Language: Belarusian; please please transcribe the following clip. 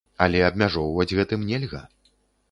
Але абмяжоўваць гэтым нельга.